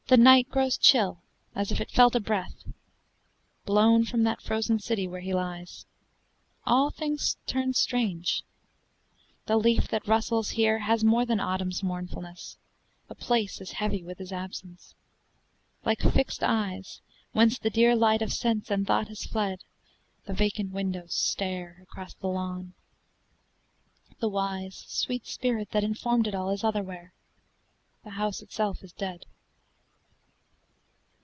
The night grows chill, as if it felt a breath Blown from that frozen city where he lies. All things turn strange. The leaf that rustles here Has more than autumn's mournfulness. The place Is heavy with his absence. Like fixed eyes Whence the dear light of sense and thought has fled, The vacant windows stare across the lawn. The wise sweet spirit that informed it all Is otherwhere. The house itself is dead.